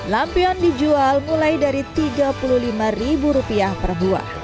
lampion dijual mulai dari rp tiga puluh lima per buah